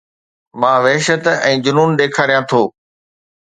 مان وحشت ۽ جنون ڏيکاريان ٿو